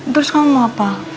terus kamu mau apa